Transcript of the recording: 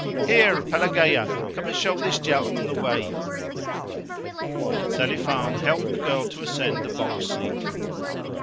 "Here, Pelagea! Come and show this gentleman the way." Selifan helped the girl to ascend to the box seat.